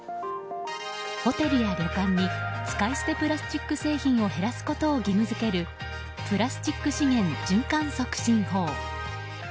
ホテルや旅館に使い捨てプラスチック製品を減らすことを義務付けるプラスチック資源循環促進法。